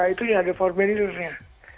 itu yang ada formidurnya